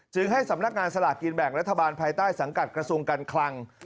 ให้สำนักงานสลากกินแบ่งรัฐบาลภายใต้สังกัดกระทรวงการคลัง